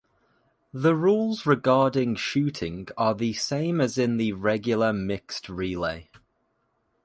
The rules regarding shooting are the same as in the regular mixed relay.